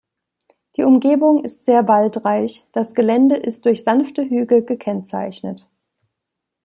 Die Umgebung ist sehr waldreich, das Gelände ist durch sanfte Hügel gekennzeichnet.